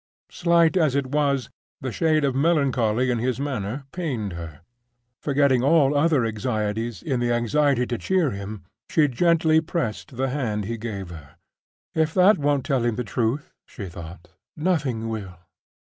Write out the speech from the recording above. Slight as it was, the shade of melancholy in his manner pained her. Forgetting all other anxieties in the anxiety to cheer him, she gently pressed the hand he gave her. "If that won't tell him the truth," she thought, "nothing will."